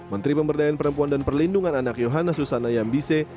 menteri pemberdayaan perempuan dan perlindungan anak yohana susana yambise